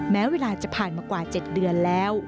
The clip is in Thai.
แม้เวลาจะผ่านมากว่า๗เดือนแล้ว